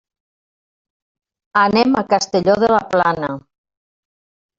Anem a Castelló de la Plana.